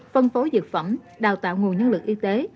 phân phối dược phẩm đào tạo nguồn nhân lực y tế